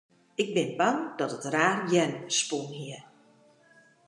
Ik bin bang dat it raar jern spûn hie.